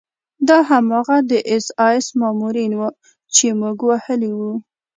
دا هماغه د اېس ایس مامورین وو چې موږ وهلي وو